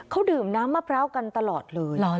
เขาดื่มน้ำมะพร้าวกันตลอดเลย